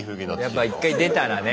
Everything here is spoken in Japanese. やっぱ１回出たらね。